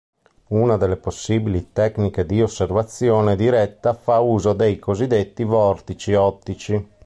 Una delle possibili tecniche di osservazione diretta fa uso dei cosiddetti vortici ottici.